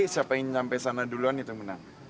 siapa yang nyampe sana duluan itu menang